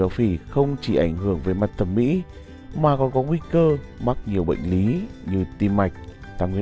xin chào và hẹn gặp lại